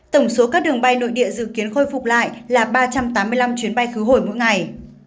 tổng số các đường bay nội địa dự kiến khôi phục lại là ba trăm tám mươi năm chuyến bay khứ hồi mỗi ngày